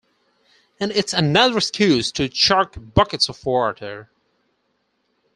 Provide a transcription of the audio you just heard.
And it's another excuse to chuck buckets of water!